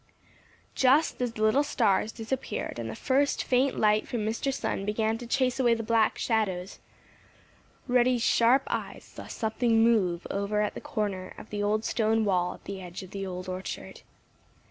Just as the little stars disappeared and the first faint light from Mr. Sun began to chase away the black shadows, Reddy's sharp eyes saw something move over at the corner of the old stone wall at the edge of the Old Orchard.